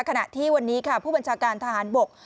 ขณะที่วันนี้ค่ะผู้บัญชาการทหารบก